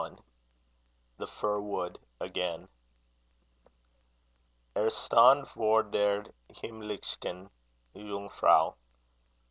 THE FIR WOOD AGAIN. Er stand vor der himmlischen Jungfrau.